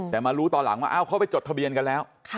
แต่มารู้ตอนหลังว่าเขาไปจดทะเบียนกันแล้ว